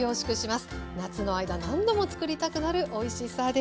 夏の間何度も作りたくなるおいしさです。